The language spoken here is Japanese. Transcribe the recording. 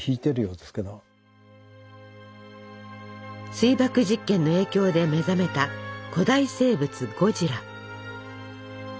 水爆実験の影響で目覚めた古代生物ゴジラ。